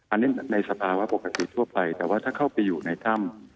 อันนี้ในสภาวะปกติทั่วไปแต่ว่าถ้าเข้าไปอยู่ในถ้ำ